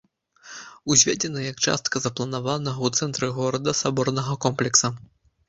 Узведзена як частка запланаванага ў цэнтры горада саборнага комплекса.